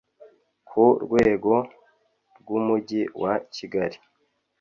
ku rwego rw Umujyi wa Kigali